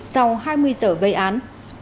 sau hai mươi giờ gây án